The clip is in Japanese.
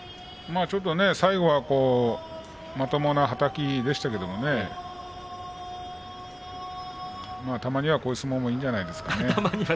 最後はまともなはたきでしたけれどもたまにはこういう相撲もいいんじゃないですかね。